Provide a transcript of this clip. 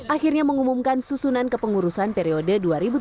akhirnya mengumumkan susunan kepengurusan periode dua ribu tujuh belas dua ribu